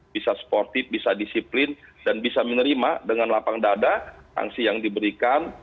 bisa sportif bisa disiplin dan bisa menerima dengan lapang dada angsi yang diberikan